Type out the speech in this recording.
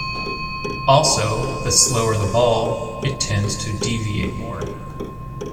Also, the slower the ball, it tends to deviate more.